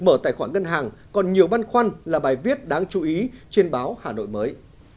mở tài khoản ngân hàng còn nhiều băn khoăn là bài viết đáng chú ý trên báo hà nội mới